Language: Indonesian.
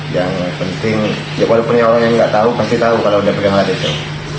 yang penting ya walaupun orang yang nggak tahu pasti tahu kalau udah pegang alat itu